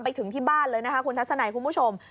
ไปถึงที่บ้านเลยนะคะคุณทัศนัยคุณผู้ชม